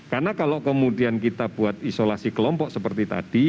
karena kalau kemudian kita buat isolasi kelompok seperti tadi